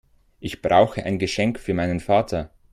Ich brauche ein Geschenk für meinen Vater.